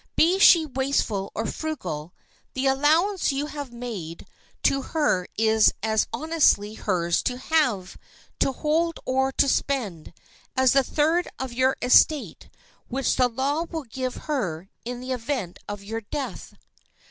Be she wasteful or frugal, the allowance you have made to her is as honestly hers to have, to hold or to spend, as the third of your estate which the law will give her in the event of your death.